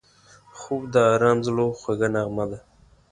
خوب د آرام زړه خوږه نغمه ده